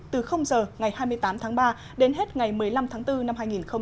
từ giờ ngày hai mươi tám tháng ba đến hết ngày một mươi năm tháng bốn năm hai nghìn hai mươi